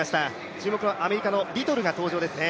注目のアメリカのリトルが登場ですね。